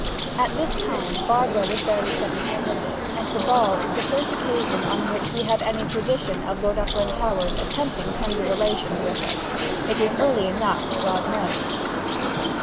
At this time Barbara was barely seventeen, and the ball is the first occasion on which we have any tradition of Lord Uplandtowers attempting tender relations with her; it was early enough, God knows.